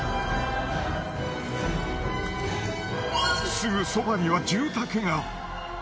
すぐそばには住宅が！